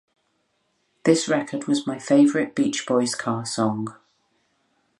This record was my favorite Beach Boys car song.